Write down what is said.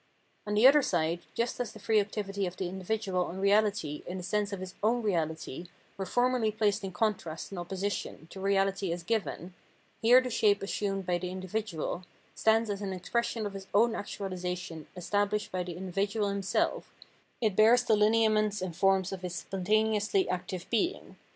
On the other side, just as the free activity of the individual and reahty in the sense of his own reahty were formerly placed in contrast and opposition to reahty as given, here the shape assumed by the individual stands as an expression of his own actuahsation estabhshed by the individual himself, it bears the hneaments and forms of his spontaneously active being.